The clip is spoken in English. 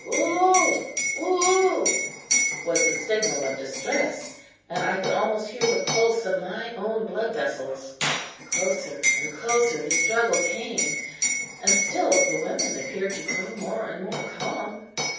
"Whoo! whoo!" was the signal of distress, and I could almost hear the pulse of my own blood vessels. Closer and closer the struggle came, and still the women appeared to grow more and more calm.